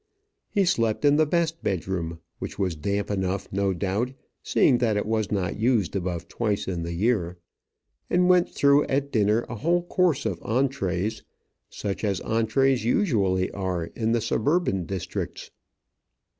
He slept in the best bedroom, which was damp enough no doubt, seeing that it was not used above twice in the year; and went through at dinner a whole course of entrées, such as entrées usually are in the suburban districts.